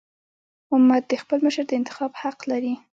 امت د خپل مشر د انتخاب حق لري.